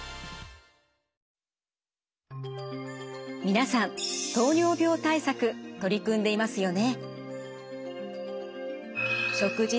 皆さん糖尿病対策取り組んでいますよね。